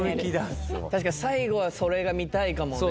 確かに最後はそれが見たいかもね。